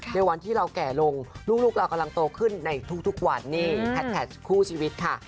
ในวันที่เราแก่ลงลูกเรากำลังโตขึ้นในทุกวันนี่แทดแท็กคู่ชีวิตค่ะ